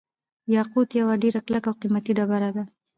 یاقوت یوه ډیره کلکه او قیمتي ډبره ده.